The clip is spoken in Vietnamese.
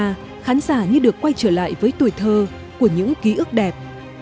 khi iona khán giả như được quay trở lại với tuổi thơ của những ký ức đẹp